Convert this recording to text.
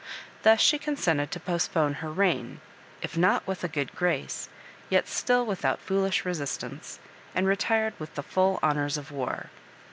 Thus she consented to postpone her reign, if not with a good grace, yet still with out foolish resistance, and retired with the full honours of war.